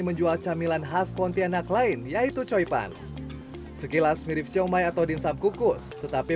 menjual camilan khas pontianak lain yaitu coipan sekilas mirip siomay atau dimsum kukus tetapi